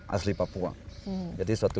asli papua jadi suatu